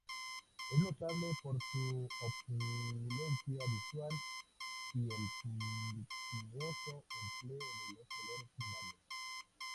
Es notable por su opulencia visual y el suntuoso empleo de los colores primarios.